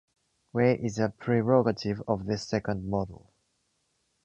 Ware is a prerogative of this second model.